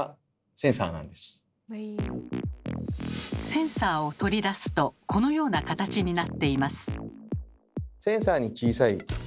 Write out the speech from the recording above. センサーを取り出すとこのような形になっています。